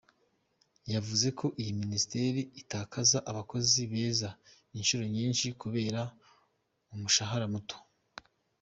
Yavuze ko iyi minisiteri itakaza abakozi beza inshuro nyinshi kubera umushahara muto.